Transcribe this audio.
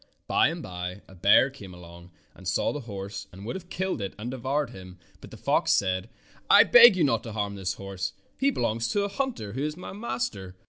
By and by a bear came along and saw the horse and would have killed and devoured him, but the fox said: ''I beg you not to harm this horse. He belongs to a hunter who is my master.